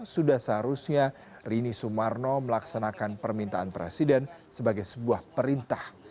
sudah seharusnya rini sumarno melaksanakan permintaan presiden sebagai sebuah perintah